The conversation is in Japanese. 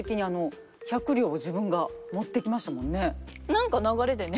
何か流れでね。